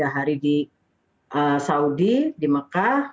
tiga hari di saudi di mekah